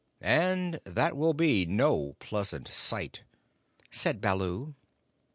And that will be no pleasant sight," said Baloo.